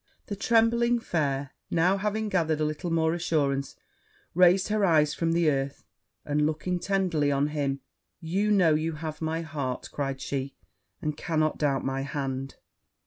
The trembling fair now, having gathered a little more assurance, raised her eyes from the earth, and looking tenderly on him, 'You know you have my heart,' cried she; 'and cannot doubt my hand.'